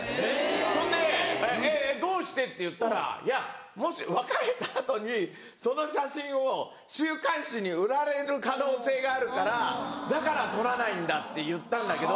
そんで「えっどうして？」って言ったら「もし別れた後にその写真を週刊誌に売られる可能性があるからだから撮らないんだ」って言ったんだけど。